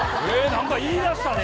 何か言い出したで。